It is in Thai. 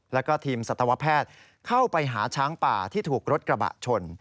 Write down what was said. แล้วก็ทีมสัตวแพทย์เข้าไปหาช้างป่าที่ถูกรถกระบะชน